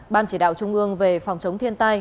ban chỉ đạo trung ương về phòng chống thiên tai